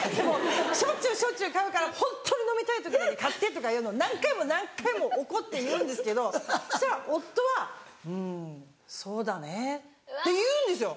しょっちゅうしょっちゅう買うからホントに飲みたい時だけ買ってとかいうのを何回も何回も怒って言うんですけどそしたら夫は「うんそうだね」って言うんですよ。